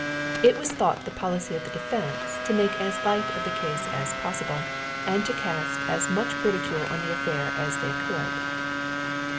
It was thought the policy of the defense to make as light of the case as possible, and to cast as much ridicule on the affair as they could.